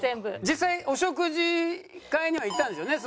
実際お食事会には行ったんですよね？